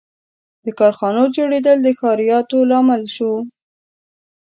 • د کارخانو جوړېدل د ښاریاتو لامل شو.